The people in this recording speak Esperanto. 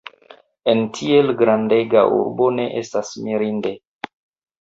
En tiel grandega urbo ne estas mirinde.